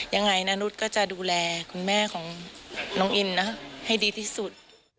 ยังไงนานุษย์ก็จะดูแลคุณแม่ของน้องอินนะให้ดีที่สุด